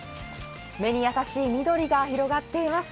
目に優しい緑が広がっています。